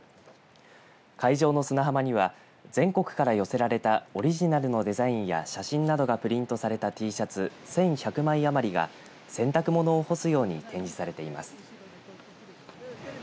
会場の砂浜には全国から寄せられたオリジナルのデザインや写真などがプリントされたＴシャツ１１００枚余りが洗濯物を干すように展示されています。